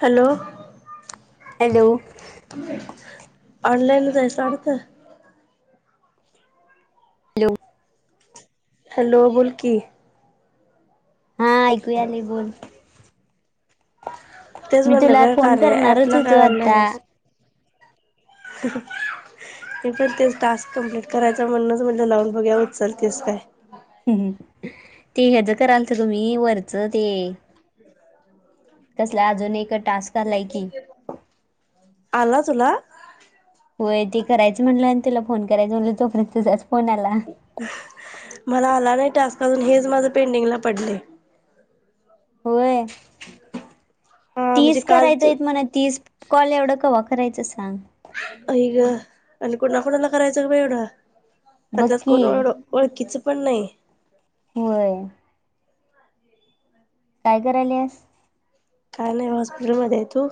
Hello. Hello. ऑनलाईनच सारखं. Hello. Hello बोलकी. हा ऐकू यालय बोल. तेच मी म्हणलं तुला काय फोन कार्य करणारच ॲपला काय होतो ऑनलाईन आता. आहेस [inaudible] मी पण तेच टास्क कंप्लीट करायचा म्हणूनच म्हणल लावून बघूया उचलतीस काय? ते ह जं करालच तु म्ही वरचं ते कसल्या अजून एक टास्क आलाय की आला चुला होय ते करायचं म्हटलं आणि त्याला फोन करायच म्हट तो मला आला नाही टास् पाजून हेच माझ पेंडिंगला पडले होय हा म्हणजे तीस काल तू करायचंय मणा तीस कॉल एवढं कव्हा करायचं सांग अ ग आणि कोणा कोुणाला करायचं ग बा एवढा त्या त्यात बक्की कोण ओळ ओळखीच पण नाही होय कायगर आलेस काय नाही हॉस्पिटल मध्ये आहे तू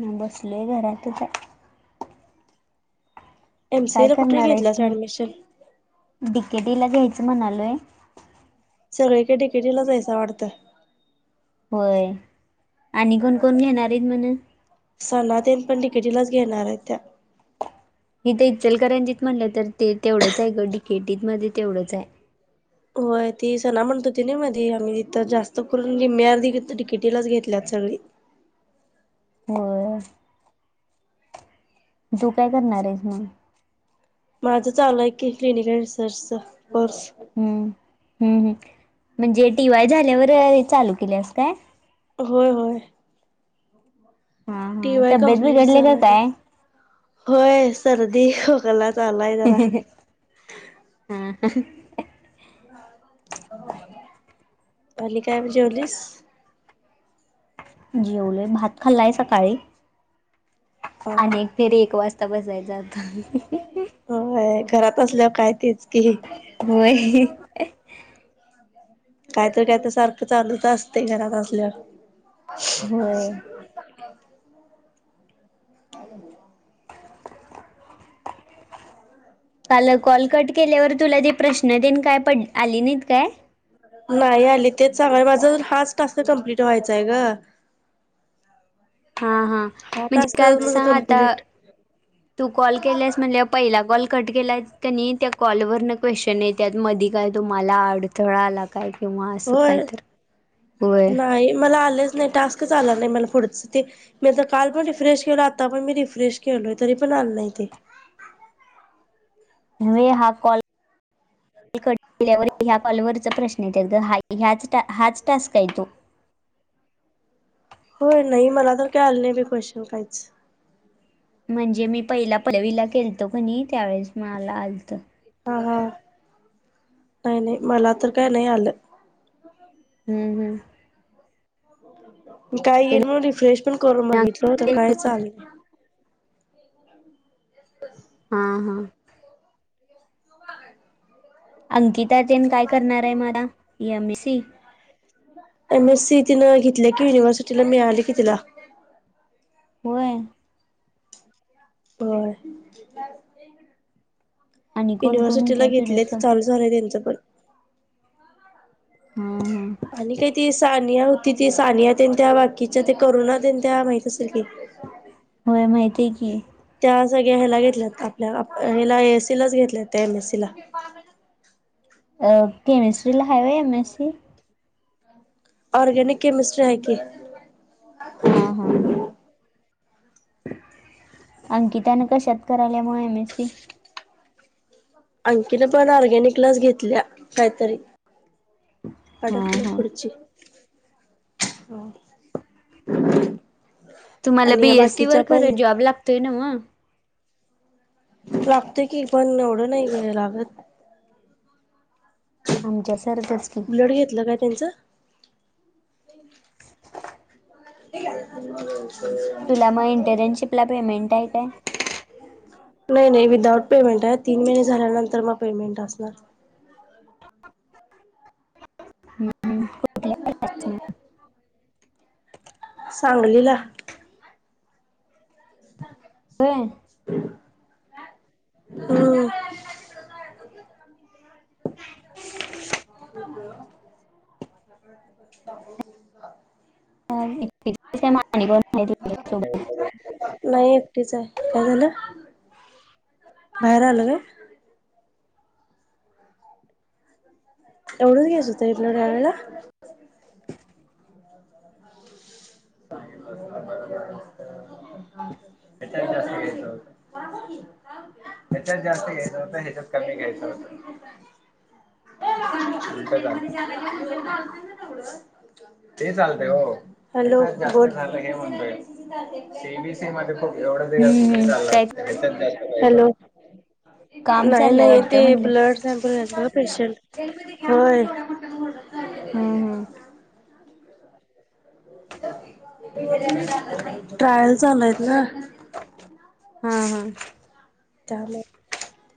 म बसलय घरातच काय एमसीए ला कुठे करणार आहेस घेतलाच मग ऍडमिशन डिकेटीला घ्यायचं म्हणालय सगळीक तिकेटीला जाैसा वाटत होय आणि कोण कोण घेणार आहेत म्हण ेटीलाच घेणार आहे त्या हीथ इचलकरांजत म्हटलं तर ते तेवढंच आहे ग डकेटीत मध्ये तेवढंच आहे होय ती सणा म्हणत होती ना मधी आम्ही तिथं जास्त करून लिम्म्या अर्धी तिकिटीलाच घेतल्यात चली व्हय. तू काय करणार आहेस मग? माझं चालूय. की क्लिनिक अ रिसर्चचा कोर्स हम्म हम्म हम् म्हणजे टी वाय झाल्यावर हे चालू केलेस काय. होय होय हा टी हा वाय तब्येत कम्प्लीट बिघडले का झाला आणि काय? होय सर्दी खोकला झालाय जरा. हा [inaudible] पली काय म्ह जेवलीस? जेवले भात खाल्लाय सकाळी हा हा आणि एक फेरी एक वाजता तपासय जात होय घरात असल्यावर काय तेच. की होय काहीतरी आता सारखं चालूच असतय घरात असल्यावर. हॅ होय. ह [unintelligible] काल कॉल कट केल्यावर तुला ते प्रश्न देन काय पड आले नाहीत काय? नाही आली तेच सांगाय माझा हाच टास्क कमप्लीट व्हायचा आहे गं. हा हा म्हणजे काय [unintelligible] सांग माझा आता. कंप्लीट तू कॉल केलेस म्हणल्यावर पहिला कॉल कट केलाय त्यानी त्या कॉलवरनं क्वेशचन येत्यात मधी काय तुम्हाला अडथळा आला काय? किंवा असं काय होय, तर होय. नाही मला आलंच नाही टास्क आला नाही मला पुढचं ते मी तर काल पण रिफ्रेश केलो आता पण मी रिफ्रेश केलोय तरी पण आलं नाही ते. [inaudible] [unintelligible] हा कॉल कॉल कट केल्यावर ह्या कॉलवरचा प्रश्न येत्यात ग हा हाच टास्क आहे तो. [inaudible] होय नाही मला तर काय आलं नाही बी क्वेश्चन काहीच. म्हणजे मी पहिला पलवीला केलतो कणी त्यावेेळेस मला आलतं. हा हा नाही नाही मला तर काही नाही आलं. हम्म हम्. काय येईल म्हणून रिफ्रेश पण करून बघितलं तं काहीच आ लेल हा हा. अंकिता तीन काय करणार आहे मग आता M. A. C. M. S. C. तिनं घेतले की युनिव्हर्सिटीला मिळाली की तिला. व्हय. बर. आणि कोण कोण युनिव्हर्सिटीला होत्या घेतलीय चालू तुझ्यासोबत झालंय त्यांचं पण. हा हा आणि काय ती सानिया हो तिथ सानिया त्यां त्या बाकीच्या ते करुणा त्यां त्या माहित असेल की. होय माहितीय की. त्या सगळ्या ह्यायला घेतल्यात ता हिला ए. एस. सी. लाच घेतले त्या एम. एस. सी. ला. अं केमिस्ट्रीला हाय वय M. S. C.? Organic chemistry आहेै की. हा हा. अंकितानं कशात करायल्या मग एम. एस. सी.? अंकिन पण ऑर्गॅनिकलाच घेतल्या काहीतरी. हा अडकला हा खुडची तुम्हाला बी. एस. सी. वर खरं जॉब लागतोय नवं? लागतोय की पण एवढं नाही लागत. आमच्यासारखंच की उलट घेतलं काय त्यांचं. ते तुला मग इंटर्नशिपला पेमेंट आहे काय? नाही नाही विदाऊट पेमेंट आहे तीन महिने झाल्यानंतर मग पेमेंट असणार. कुठल्या? सांगलीला. [inaudible] बर. हो. [unintelligible] ह. नाही एकटीच आहे. काय झालं? बाहेर आलं काय? एवढंच घस होत आपल्या ड्रावला. च्या जास्त घच होत. ह्याच्यात जास्त घ्यायचं होत. ह्याच्यात कमी घ्यायचं होत. [unintelligible] ते चालतय हो. हॅलो बोल म्हणतोय सेबीसी म एवढं दि हम्म हम्म काय हॅलो. काम नाही चाललंय नाही वाटतं ते म्हणलं ब्लड सॅम्पल घय पेशंट होय. हम्म हम्म ट्रायल चालूयत ना. हा हा. त्यामुळे.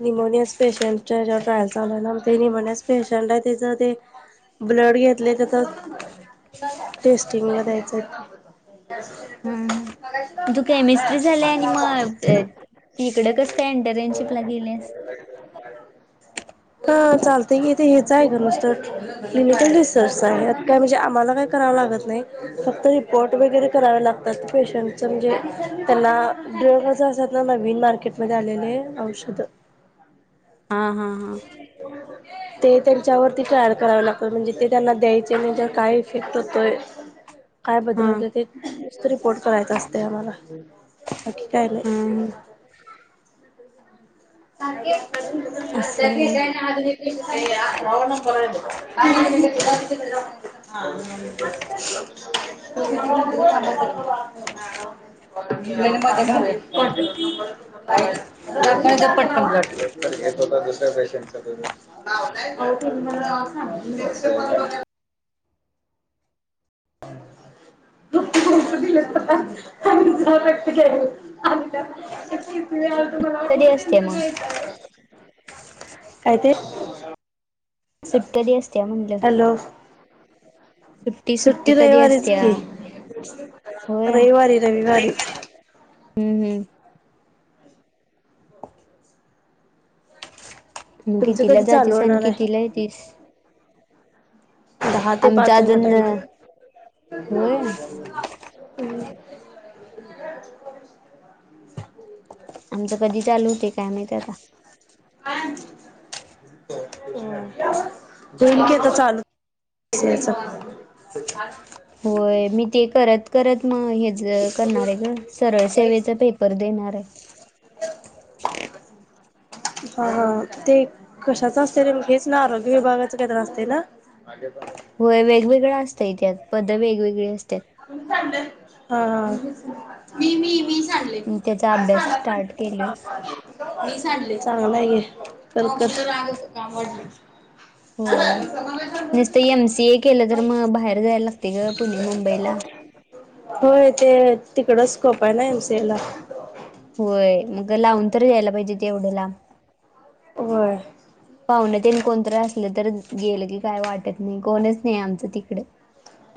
निमोनियास पेशंटच्या जेव्हा ट्रायल चाला ना ते निमोनियास पेशंट आहे त्याचं ते ब्लड घेतले तर तर टेस्टिंग व द्यायचं. स् हम्म तू केमिस्ट्री झाली आणि मग त कस इंटर्नशिपला गेलास. चालते की इथे हेचं आहे का नुसत क्लिनिकल रिसर्च यात काय म्हणजे आम्हाला काय करावं लागत नाही. फक्त रिपोर्ट वैगरे करायला लागतात पेशंटचे, म्हणजे त्याला नवीन मार्केट मध्ये आलेले औषध हा हा हा ते त्यांच्यावरती अॅड करावे लागत म्हणजे ते त्यांना द्यायचे म्ह काय इफेक्ट होतोय. काय हा बदलवतात ते. रिपोर्ट करायचा असते आम्हाला बाकी काय हा नाही. हा असं होय. [unintelligible] [unintelligible] स [unintelligible] [unintelligible] येत होता दुसऱ्या पेशंटचा त [unintelligible] हो ह दिलेक्त के कधी [unintelligible] असत्या मग काय ते [unintelligible] असत्या म्हणलं हॅलो सुट्टी रविवारीच की, होय रविवारी रविवारी हम्म हम्म मग तुमचं कितिला कधी चालू जातस आणि होणार कितीला आहे येेतस. दहा ते पाच आहे ब टाइमिंग. होय [inaudible] आमचं कधी चालू होते काय माहीते आता. होईल की आता चालू. [inaudible] होय मी ते करत करत मग ह्याचं करणार आहे ग सरळ काहीच सेवेचा पेपर देणार आहे. [inaudible] हा हा ते कशाच असते रे म हेच ना आरोग्य विभागाच काहीतरी असते ना. होय वेगवेगळं असतंय त्यात पद वेगवेगळी अस [unintelligible] मी त्याचा अभ्यास स्टार्ट केलोय [inaudible] [unintelligible] व्हय नुसत एमसी ए केलं तर मग बाहेर जायला लागते ग पुणे मुम बई ला. होय ते तिकडच स्कोप आहे ना एमसीए ला. होय मग लावून तरी दयायला पाहिजेत एवढ लाब. होय. पावणे तेन कोण तरी असलं तर गेलं की काय वाटत नाही कोणच नाही आमचं तिकडे.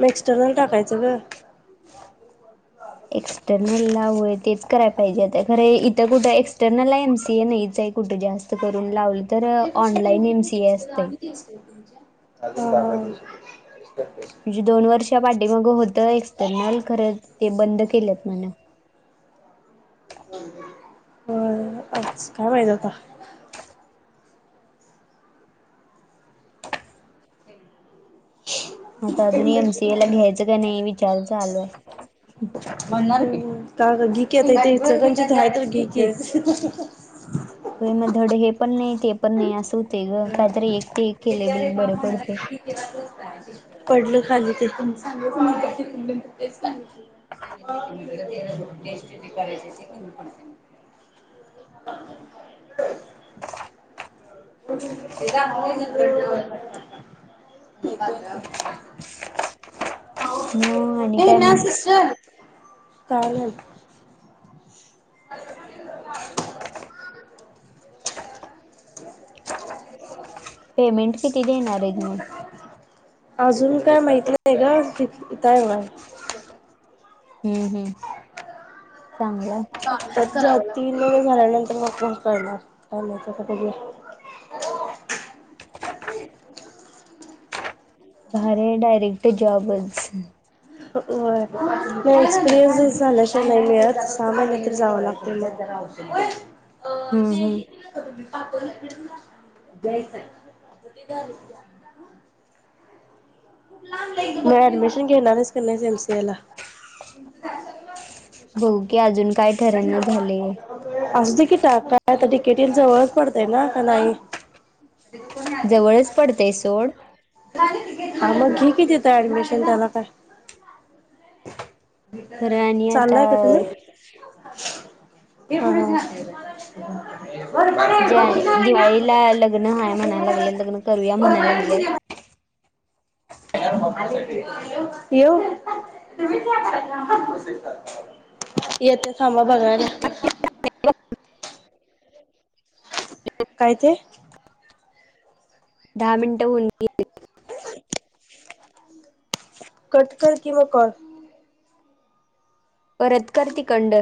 म एक्सटरनल टाकायचं ग. [unintelligible] एक्स्टर्नल लावूय तेच कराय पाहिजे होत खरं इथं कुठं एक्सटर्नल आहे एमसीए नाही च कुठ जास्त करून लावल [unintelligible] [unintelligible] म्हणजे दोन वर्षा पाठी माग होतं एक्सटर्नल खरं ते बंद केलेत म्हण. होय आच काय माहित आता. आता अजून एमसीए ला घ्यायचं की नाही विचार चालू आहे. म्हणणार [inaudible] व्हय म धड हे पण नाही ते पण नाही असं होतय ग काही तरी एक त एक केलेल बरं पडतंय. पडल खाली ते. [unintelligible] [unintelligible] [unintelligible] [unintelligible] [unintelligible] मग आणि काय मग? चालल [unintelligible] [unintelligible] पेमेंट किती देणारेत मग. अजून काय माहित नाय ग [unintelligible] हम्म हम्म चांगलय तीन मे झाल्यानंतर मग म कळणार काय माहित आता कधी आहे. [unintelligible] भारी आहे डायरेक्ट जॉबच. व्हय मग एक्सपिरियनसस झालाशिवाय नाही मिळत सहा महिन्यानंतर जावं लागत म अ हम्म हम्म ते [unintelligible] [unintelligible] हो की अजून काय ठरण झाले [unintelligible] केटी जवळच पडतय ना का नाही जवळच पडतेय सोड हा मग घे की देत ऍडमिशन त्याला काय खरं आणि आता चाललाय का तुम्ही ते ज्या दिवाळीला लग्न हाय म्हणाय लागले लग्न करूया म्हणायला लागले यो येथ समा बगा काय ते दहा मिनटं होऊन कटकर किंवा कर परतकर त